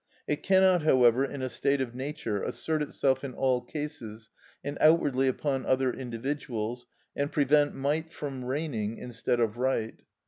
It cannot, however, in a state of nature, assert itself in all cases, and outwardly upon other individuals, and prevent might from reigning instead of right.